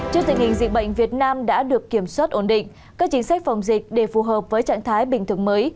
trước tình hình dịch bệnh việt nam đã được kiểm soát ổn định các chính sách phòng dịch để phù hợp với trạng thái bình thường mới